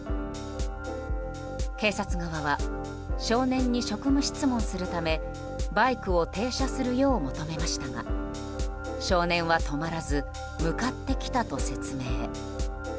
警察側は少年に職務質問するためバイクを停車するよう求めましたが少年は止まらず向かってきたと説明。